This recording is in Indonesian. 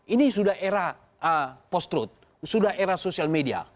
ini sudah era post truth sudah era sosial media